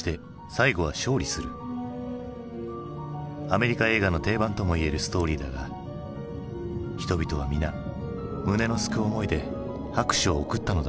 アメリカ映画の定番ともいえるストーリーだが人々は皆胸のすく思いで拍手を送ったのだろう。